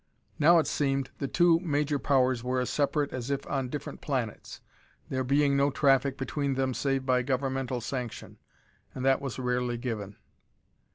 Now, it seemed, the two major powers were as separate as if on different planets, there being no traffic between them save by governmental sanction; and that was rarely given.